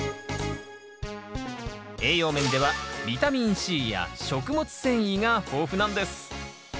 栄養面ではビタミンＣや食物繊維が豊富なんです